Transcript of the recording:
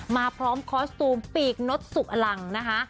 มาพร้อมคอสตูมปีกนดสุขอลังนะคะ